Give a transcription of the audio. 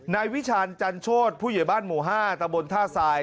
นายวิชาณจันโชธผู้ใหญ่บ้านหมู่๕ตะบนท่าทราย